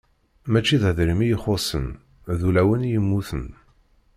Mačči d adrim i ixuṣṣen, d ulawen i yemmuten.